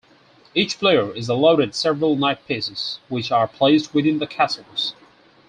Each player is allotted several knight pieces, which are placed within the castles.